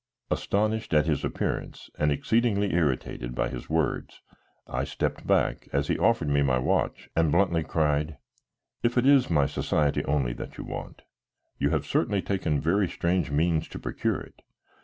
Astonished at his appearance, and exceedingly irritated by his words, I stepped back as he offered me my watch, and bluntly cried: "If it is my society only that you want, you have certainly taken very strange means to procure it.